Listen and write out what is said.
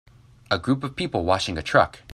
A group of people washing a truck.